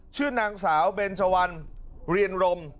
ชื่อนางสาวเบนเจาันเรียนรม